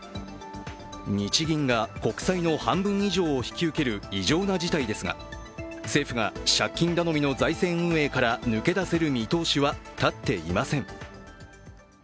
日銀が国債の半分以上を引き受ける異常な事態ですが政府が借金頼みの財政運営から抜け出せる見通しは立っていません。